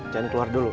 jangan keluar dulu